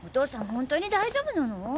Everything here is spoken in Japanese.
本当に大丈夫なの？